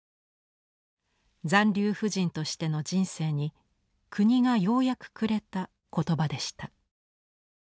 残留婦人としての人生に国がようやくくれた言葉でした。